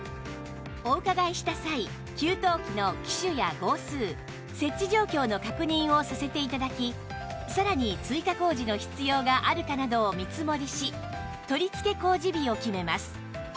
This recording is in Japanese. お伺いした際給湯器の機種や号数設置状況の確認をさせて頂きさらに追加工事の必要があるかなどを見積もりし取り付け工事日を決めます